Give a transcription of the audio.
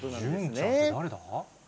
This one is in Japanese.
潤ちゃんって誰だ？